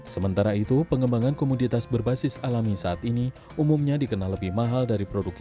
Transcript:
sementara itu pengembangan komoditas berbasis alami saat ini umumnya dikenal lebih mahal dari produksi